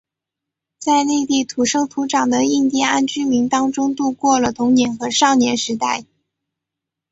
在内地土生土长的印第安居民当中度过了童年和少年时代。